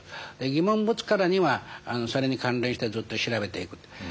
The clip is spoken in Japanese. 疑問を持つからにはそれに関連してずっと調べていく。